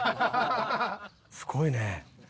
すごいね。